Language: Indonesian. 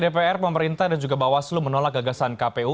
dpr pemerintah dan juga bawaslu menolak gagasan kpu